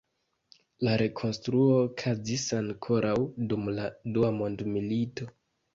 La rekonstruo okazis ankoraŭ dum la Dua Mondmilito.